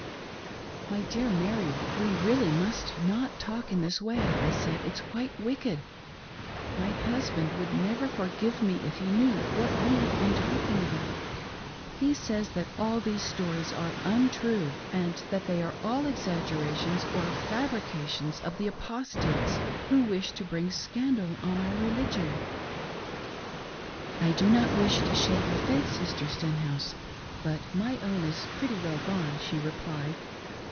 " My dear Mary, we really must not talk in this way," I said —" it's quite wicked. My husband would never forgive me if he knew what we have been talking about. He says that all these stories are untrue, and that they are all exaggerr ations or fabrications of the Apostates who wish to bring scandal on our religion." " I do not wish to shake your faith. Sister Stenhouse, but my own is pretty well gon'e," she replied.